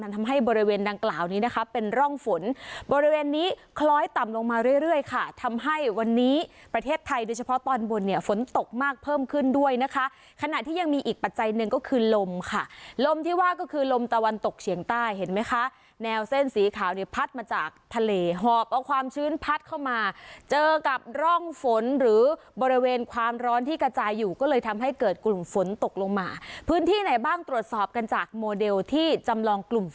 แต่ฝนตกมากเพิ่มขึ้นด้วยนะคะขณะที่ยังมีอีกปัจจัยหนึ่งก็คือลมค่ะลมที่ว่าก็คือลมตะวันตกเฉียงใต้เห็นไหมคะแนวเส้นสีขาวเนี่ยพัดมาจากทะเลหอบเอาความชื้นพัดเข้ามาเจอกับร่องฝนหรือบริเวณความร้อนที่กระจายอยู่ก็เลยทำให้เกิดกลุ่มฝนตกลงมาพื้นที่ไหนบ้างตรวจสอบกันจากโมเดลที่จำล